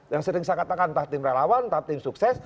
yang sering saya katakan entah tim relawan entah tim sukses